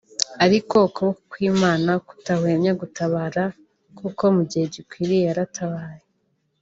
ariko ukuboko kw’Imana kutahwemye gutabara kuko mu gihe gikwiriye yaratabaye